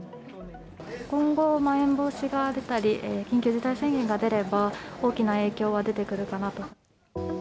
今後、まん延防止が出たり、緊急事態宣言が出れば、大きな影響が出てくるかなと。